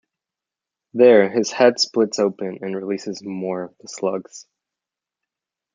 There, his head splits open and releases more of the slugs.